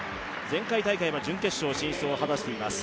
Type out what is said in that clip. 前回大会は準決勝進出を果たしています。